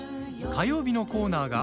火曜日のコーナーが。